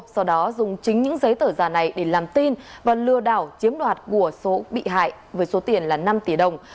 sau đó dùng chính những giấy tờ giả này để làm tin và lừa đảo chiếm đoạt của số bị hại với số tiền là năm tỷ đồng